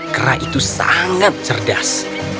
kera itu sangat cerdas